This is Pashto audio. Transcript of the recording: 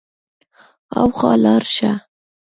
هاخوا لاړ شه.